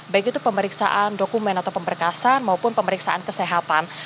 baik itu pemeriksaan dokumen atau pemberkasan maupun pemeriksaan kesehatan